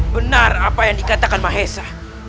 benar apa yang dikatakan mahesa